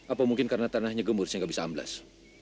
apa mungkin karena tanahnya gembur sehingga bisa amblas